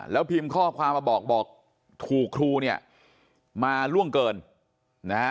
แล้วพิมพ์ข้อความมาบอกบอกถูกครูเนี่ยมาล่วงเกินนะฮะ